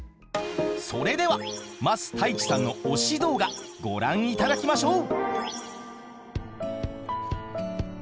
それでは桝太一さんの推し動画ご覧いただきましょう！